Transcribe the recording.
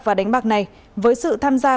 và đánh bạc này với sự tham gia